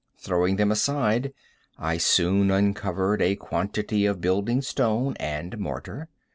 Throwing them aside, I soon uncovered a quantity of building stone and mortar.